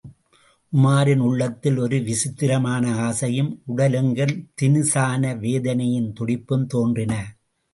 உமாரின் உள்ளத்தில் ஒரு விசித்திரமான ஆசையும் உடலெங்கும் தினுசான வேதனையின் துடிப்பும் தோன்றின.